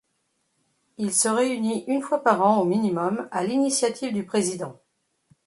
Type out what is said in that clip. Il se réunit une fois par an au minimum à l'initiative du président.